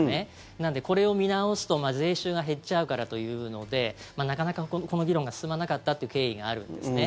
なので、これを見直すと税収が減っちゃうからというのでなかなかこの議論が進まなかったという経緯があるんですね。